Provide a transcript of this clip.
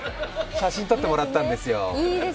写真撮ってもらったんですよ。